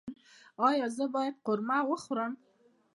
ایا زه باید قورمه وخورم؟